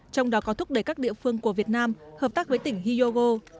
trong đó có thúc đẩy các địa phương của việt nam hợp tác với tỉnh hyogo